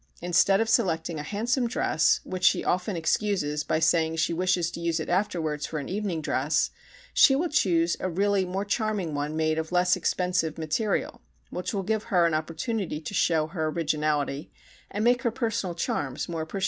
Instead of selecting a handsome dress, which she often excuses by saying she wishes to use it afterwards for an evening dress, she will choose a really more charming one made of less expensive material, which will give her an opportunity to show her originality, and make her personal charms more appreciated.